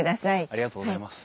ありがとうございます。